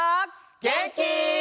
げんき？